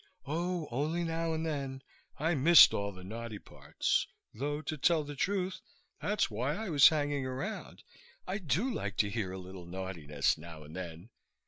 "Oh, only now and then. I missed all the naughty parts though, to tell the truth, that's why I was hanging around. I do like to hear a little naughtiness now and then